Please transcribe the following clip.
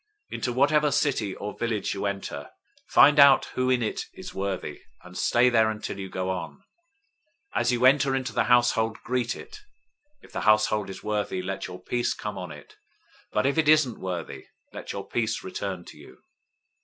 010:011 Into whatever city or village you enter, find out who in it is worthy; and stay there until you go on. 010:012 As you enter into the household, greet it. 010:013 If the household is worthy, let your peace come on it, but if it isn't worthy, let your peace return to you.